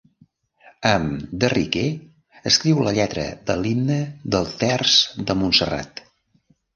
Amb de Riquer escriu la lletra de l'Himne del Terç de Montserrat.